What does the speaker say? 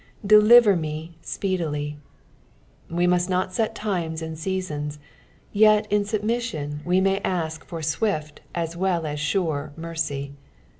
'' Deiiter me tpniify." We must not set times and seasons, yet in snbmission we may ask for swift as well as sure mercy.